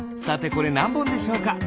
さてこれなんぼんでしょうか？